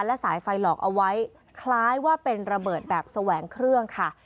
และสายไฟหลอกเอาไว้คล้ายว่าเป็นระเบิดแบบแสวงเครื่องค่ะ